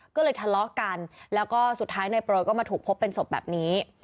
ก็เลยทะเลาะกันแล้วก็สุดท้ายนายโปรยก็มาถูกพบเป็นศพแบบนี้